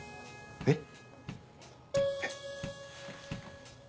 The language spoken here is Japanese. えっ。